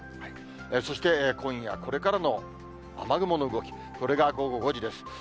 そして今夜これからの雨雲の動き、これが午後５時です。